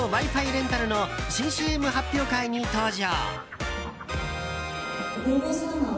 レンタルの新ＣＭ発表会に登場。